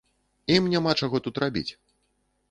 Ім няма чаго тут рабіць.